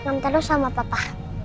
aku akan terus sama papa